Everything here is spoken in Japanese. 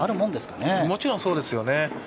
もちろんそうですよね。